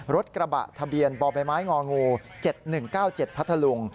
รถกระบะทะเบียนบ่อใบไม้งองู๗๑๙๗พัทธลุง